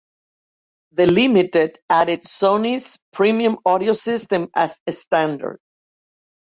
The Limited added Sony's Premium Audio System as a standard.